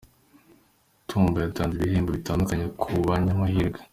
Tumba yatanze ibihembo bitandukanye ku banyamahirwe